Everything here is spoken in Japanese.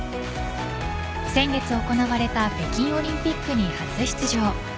先月行われた北京オリンピックに初出場。